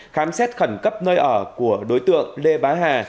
khám xét khẩn cấp nơi ở của đối tượng lê bá hà